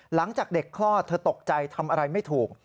หลังจากเด็กคลอดเธอตกใจทำอะไรไม่ถูก